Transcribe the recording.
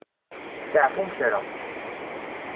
Steɛfum kra.